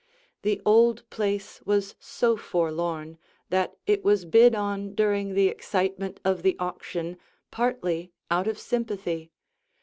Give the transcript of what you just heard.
The old place was so forlorn that it was bid in during the excitement of the auction partly out of sympathy.